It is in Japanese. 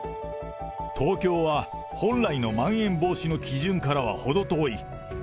東京は本来のまん延防止の基準からは程遠い。